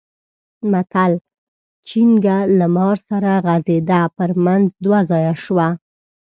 متل؛ چينګه له مار سره غځېده؛ پر منځ دوه ځايه شوه.